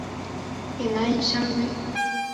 也难以相遇